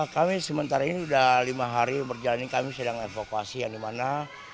kami sementara ini sudah lima hari berjalan ini kami sedang evakuasi yang dimana